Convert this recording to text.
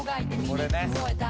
「これね」